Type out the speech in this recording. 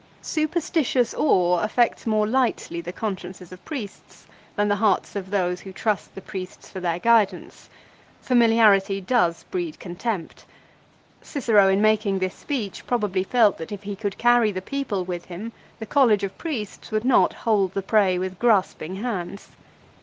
Superstitious awe affects more lightly the consciences of priests than the hearts of those who trust the priests for their guidance. Familiarity does breed contempt. Cicero in making this speech probably felt that if he could carry the people with him the College of Priests would not hold the prey with grasping hands.